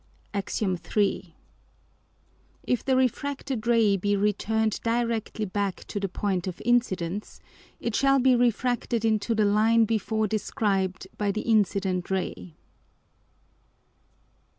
_ AX. III. _If the refracted Ray be returned directly back to the Point of Incidence, it shall be refracted into the Line before described by the incident Ray.